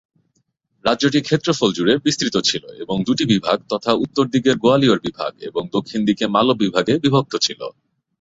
রাজ্যটি ক্ষেত্রফল জুড়ে বিস্তৃত ছিল এবং দুটি বিভাগ তথা উত্তর দিকের গোয়ালিয়র বিভাগ এবং দক্ষিণ দিকে মালব বিভাগে বিভক্ত ছিল।